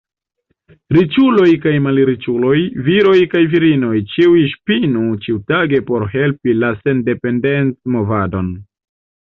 Riĉuloj kaj malriĉuloj, viroj kaj virinoj, ĉiuj ŝpinu ĉiutage por helpi la sendependecmovadon.